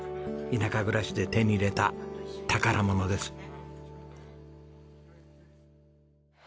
田舎暮らしで手に入れた宝物です。